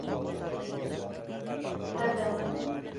-Ҡыҙым.